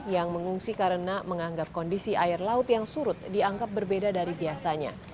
yang mengungsi karena menganggap kondisi air laut yang surut dianggap berbeda dari biasanya